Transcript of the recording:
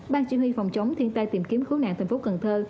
ban chỉ huy phòng chống thiên tai tìm kiếm cứu nạn thành phố cần thơ